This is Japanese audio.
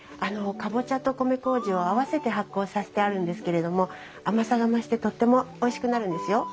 カボチャと米麹を合わせて発酵させてあるんですけれども甘さが増してとってもおいしくなるんですよ。